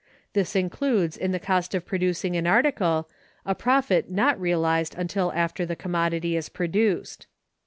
This includes in the cost of producing an article a profit not realized until after the commodity is produced.